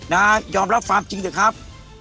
น่ายอมรับฟาร์มจริงสิครับ